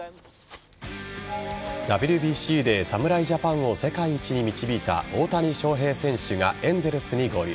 ＷＢＣで侍ジャパンを世界一に導いた大谷翔平選手がエンゼルスに合流。